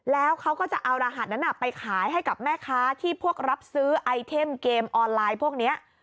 แล้วเขาก็จะเอารหัสนั้นไปขายให้กับแม่ค้าที่พวกรับซื้อไอเทมเกมออนไลน์พวกนี้